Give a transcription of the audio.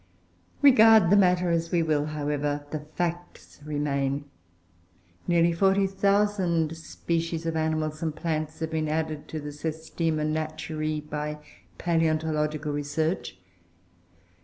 Regard the matter as we will, however, the facts remain. Nearly 40,000 species of animals and plants have been added to the Systema Naturae by palaeontological research.